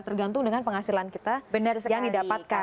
tergantung dengan penghasilan kita yang didapatkan